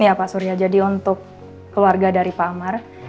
iya pak surya jadi untuk keluarga dari pak amar